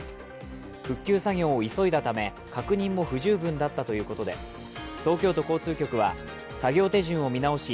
復旧作業を急いだため、確認も不十分だったということで東京都交通局は作業手順を見直し